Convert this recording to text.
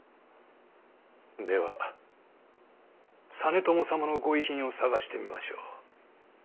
では実朝様のご遺品を探してみましょう。